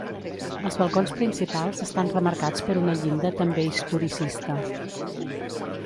Els balcons principals estan remarcats per una llinda també historicista.